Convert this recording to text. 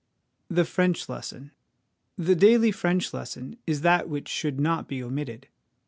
The French Lesson. The daily French lesson is that which should not be omitted.